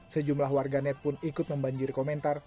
sejumlah warganet pun ikut membanjiri komentar